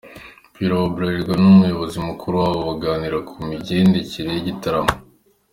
Pierro wa Bralirwa n’umuyobozi mukuru wabo baganira ku migendekere y’igitaramo.